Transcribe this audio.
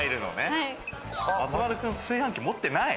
松丸君、炊飯器持ってない？